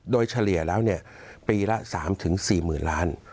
โดยเฉลี่ยแล้วปีละ๓๔๐๐๐ล้าน